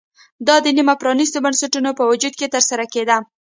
دا د نیمه پرانېستو بنسټونو په وجود کې ترسره کېده